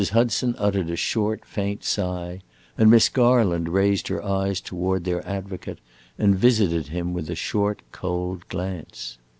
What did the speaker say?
Hudson uttered a short, faint sigh, and Miss Garland raised her eyes toward their advocate and visited him with a short, cold glance.